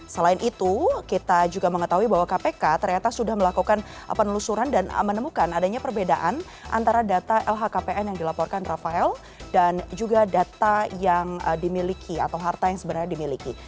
selain itu kita juga mengetahui bahwa kpk ternyata sudah melakukan penelusuran dan menemukan adanya perbedaan antara data lhkpn yang dilaporkan rafael dan juga data yang dimiliki atau harta yang sebenarnya dimiliki